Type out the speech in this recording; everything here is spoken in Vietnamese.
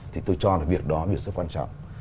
thì tôi cho là việc đó rất quan trọng